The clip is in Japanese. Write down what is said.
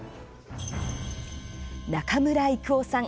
中村征夫さん。